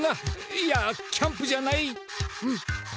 いやキャンプじゃない。